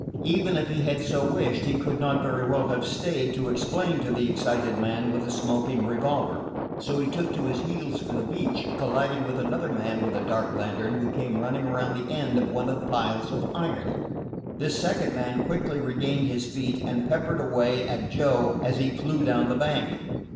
Even if he had so wished, he could not very well have stayed to explain to the excited man with the smoking revolver. So he took to his heels for the beach, colliding with another man with a dark lantern who came running around the end of one of the piles of iron. This second man quickly regained his feet, and peppered away at Joe as he flew down the bank.